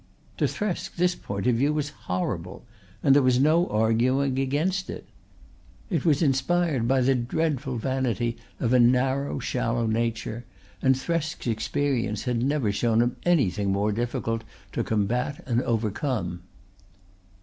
To Thresk this point of view was horrible; and there was no arguing against it. It was inspired by the dreadful vanity of a narrow, shallow nature, and Thresk's experience had never shown him anything more difficult to combat and overcome.